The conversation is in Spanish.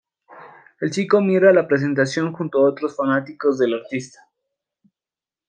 El chico mira la presentación junto a otros fanáticos de la artista.